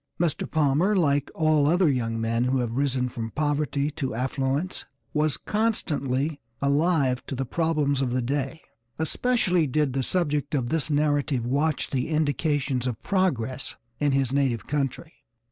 Mr. Palmer, like all other young men who have risen from poverty to affluence, was constantly alive to the problems of the day; especially did the subject of this narrative watch the indications of progress in his native country.